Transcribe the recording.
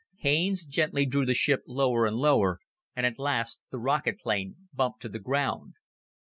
Haines gently drew the ship lower and lower, and at last the rocket plane bumped to the ground.